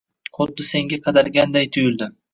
Xuddi senga qadalganday tuyuldi